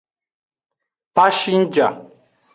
Pasingja.